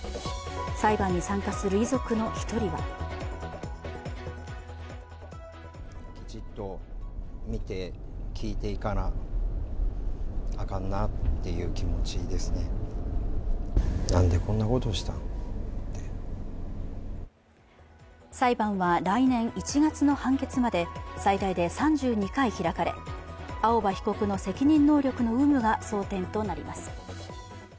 裁判に参加する遺族の１人は裁判は来年１月の判決まで最大で３２回開かれ青葉被告の責任能力の有無が争点となります。